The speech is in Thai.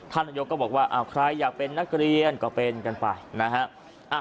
นายกก็บอกว่าใครอยากเป็นนักเรียนก็เป็นกันไปนะฮะ